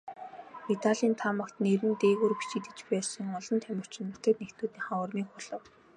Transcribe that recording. Медалийн таамагт нэр нь дээгүүр бичигдэж байсан олон тамирчин нутаг нэгтнүүдийнхээ урмыг хугалав.